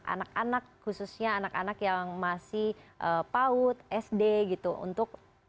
anak anak khususnya anak anak yang masih paut sd gitu untuk